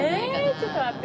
ちょっと待って。